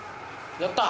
やったぞ。